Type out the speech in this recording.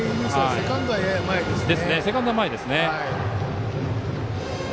セカンドがやや前ですね。